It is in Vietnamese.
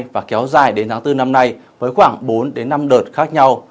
và kéo dài đến tháng bốn năm nay với khoảng bốn đến năm đợt khác nhau